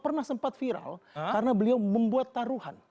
pernah sempat viral karena beliau membuat taruhan